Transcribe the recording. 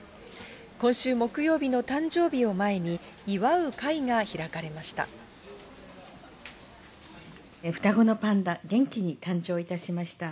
今週木曜日の誕生日を前に、祝う会が開かれました。